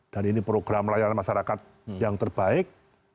dan ini program layanan masyarakat yang terbaik